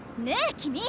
君！